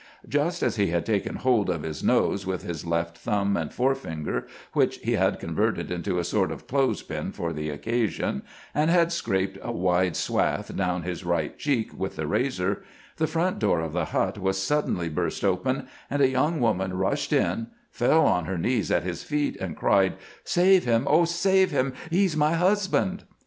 Just as he had taken hold of his nose with his left thumb and forefinger, which he had converted into a sort of clothes pin for the occasion, and had scraped a wide swath down his right cheek with the razor, the front door of the hut was suddenly burst open, and a young woman rushed in, fell on her knees at his feet, and cried :" Save him ! oh, save him ! He 's my husband."